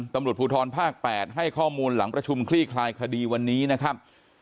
ตำรวจภูทรภาค๘ให้ข้อมูลหลังประชุมคลี่คลายคดีวันนี้นะครับ